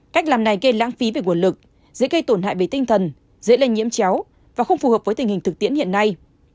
cách làm này gây lãng phí về nguồn lực dễ gây tổn hại về tinh thần dễ lây nhiễm chéo và không phù hợp với tình hình thực tiễn hiện nay